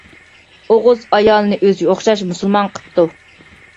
ئوغۇز ئايالىنى ئۆزىگە ئوخشاش مۇسۇلمان قىپتۇ.